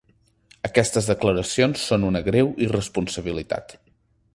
Aquestes declaracions són una greu irresponsabilitat.